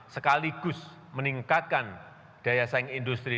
sekaligus meningkatkan daya saing industri